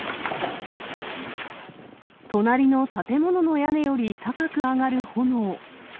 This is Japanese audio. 隣の建物の屋根より高く上がる炎。